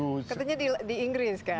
ketanya di inggris kan